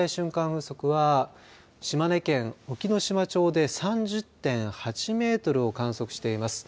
風速は島根県隠岐の島町で３０．８メートルを観測しています。